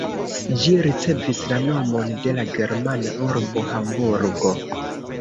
Ĝi ricevis la nomon de la germana urbo Hamburgo.